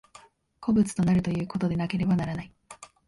個物となるということでなければならない。